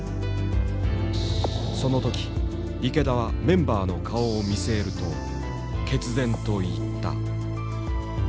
その時池田はメンバーの顔を見据えると決然と言った。